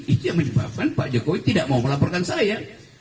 itu yang menyebabkan pak jokowi tidak mau melaporkan saya